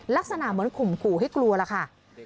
ลักษณะเหมือนขุมกรูให้กลัวแล้วค่ะ